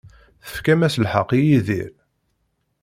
Tefkam-as lḥeqq i Yidir.